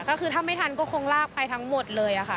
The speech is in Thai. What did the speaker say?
ก็คือถ้าไม่ทันก็คงลากไปทั้งหมดเลยค่ะ